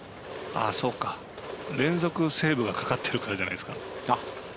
連続セーブがかかってるからじゃないですか？